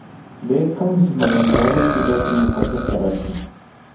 ډېر کم مسلمانان کولی شي بیت المقدس ته راشي.